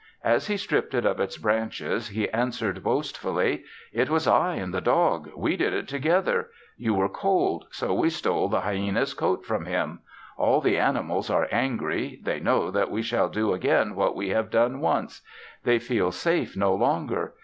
As he stripped it of its branches, he answered boastfully, "It was I and the dog; we did it together. You were cold, so we stole the hyena's coat from him. All the animals are angry. They know that we shall do again what we have done once. They feel safe no longer.